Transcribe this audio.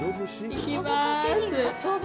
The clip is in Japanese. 行きます！